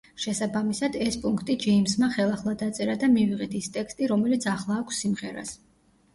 შესაბამისად, ეს პუნქტი ჯეიმზმა ხელახლა დაწერა და მივიღეთ ის ტექსტი, რომელიც ახლა აქვს სიმღერას.